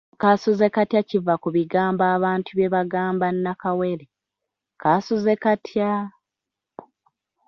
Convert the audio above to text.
Kasuze katya kiva ku bigambo abantu bye bagamba nakawere; kaasuze katya?.